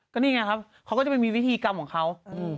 ก็นี่ไงครับเขาก็จะไปมีวิธีกรรมของเขา